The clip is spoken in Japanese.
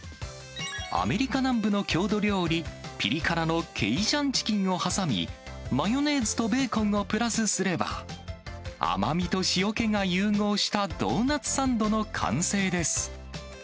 アメリカ南部の郷土料理、ぴり辛のケイジャンチキンを挟み、マヨネーズとベーコンをプラスすれば、甘みと塩けが融合したドーナツサンドの完成です。